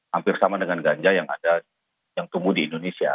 hampir sama dengan ganja yang tumbuh di indonesia